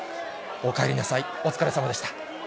おかえりなさい、お疲れさまでした。